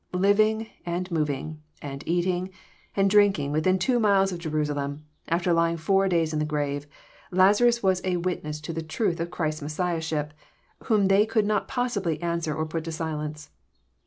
Living, and moving, and eating, and drinking within two miles of Jerusalem, after lying four days in the grave, Laza« rus was a witness to the truth of Christ's. Messiahship, whom they could not possibly answer or put to silence.